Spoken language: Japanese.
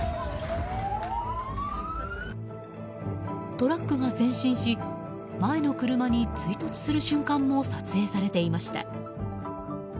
トラックが前進し前の車に追突する瞬間も撮影されていました。